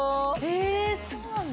え